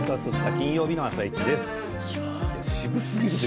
金曜日の「あさイチ」です。